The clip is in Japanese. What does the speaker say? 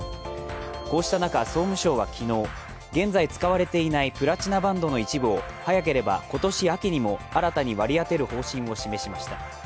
こうした中、総務省は昨日、現在使われていないプラチナバンドの一部を早ければ今年秋にも新たに割り当てる方針を示しました。